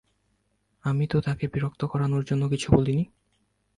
আমি তো তাঁকে বিরক্ত করার জন্যে কিছু বলিনি।